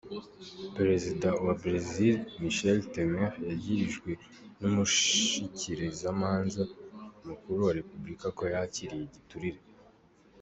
Prezida wa Brezil Michel Temer yagirijwe n'umushikirizamanza mukuru wa republika ko yakiriye igiturire.